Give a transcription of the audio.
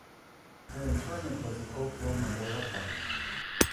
Her interment was at Oak Hill Memorial Park.